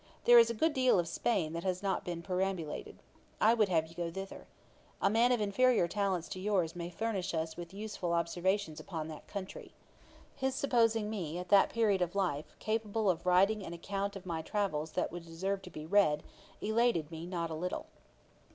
There is a good deal of Spain that has not been perambulated. I would have you go thither. A man of inferiour talents to yours may furnish us with useful observations upon that country.' His supposing me, at that period of life, capable of writing an account of my travels that would deserve to be read, elated me not a little.